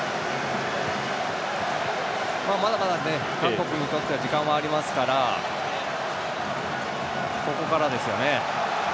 まだまだ韓国にとっては時間はありますからここからですよね。